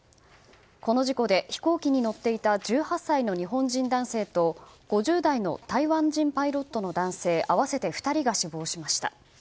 この事故で飛行機に乗っていた１８歳の日本人男性と５０代の台湾人パイロットの男性合わせて２人が死亡しました。